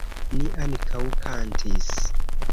Ni ankaŭ kantis.